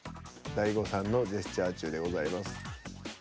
大悟さんのジェスチャー中でございます。